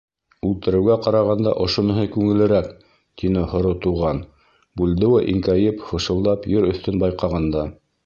— Үлтереүгә ҡарағанда ошоноһо күңеллерәк, — тине һоро Туған, Бульдео иңкәйеп, фышылдап ер өҫтөн байҡағанда.